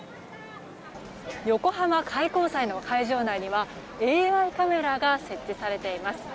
横浜開港祭の会場内にはＡＩカメラが設置されています。